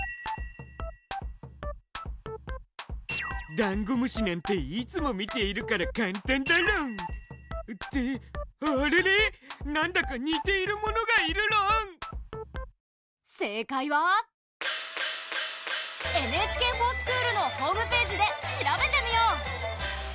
ダンゴムシなんていつも見ているから簡単だろん！ってあれれなんだか似ているものがいるろん⁉正解は「ＮＨＫｆｏｒＳｃｈｏｏｌ」のホームページで調べてみよう！